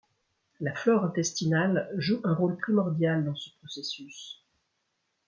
La flore intestinale joue un rôle primordial dans ce processus.